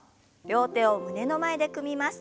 両手を胸の前で組みます。